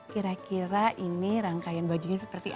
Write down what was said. kira kira ini rangkaian bajunya seperti apa